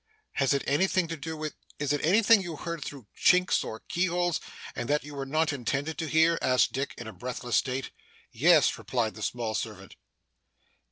'Has it anything to do with is it anything you heard through chinks or keyholes and that you were not intended to hear?' asked Dick, in a breathless state. 'Yes,' replied the small servant.